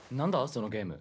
そのゲーム。